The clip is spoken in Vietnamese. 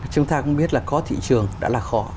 chúng ta cũng biết là có thị trường đã là khó